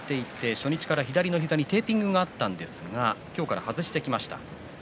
初日から左の膝にテーピングがあったんですが今日から外してきました。